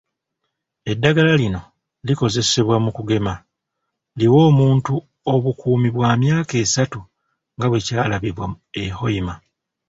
Eddagala lino Likozesebwa mu kugema liwe omuntu obukuumi bwa myaka esatu nga bwe kyalabibwa e Hoima.